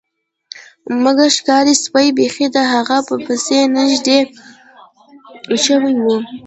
مګر ښکاري سپي بیخي د هغه په پسې نږدې شوي وو